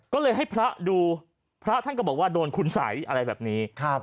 ก็เลยให้พระดูพระท่านก็บอกว่าโดนคุณสัยอะไรแบบนี้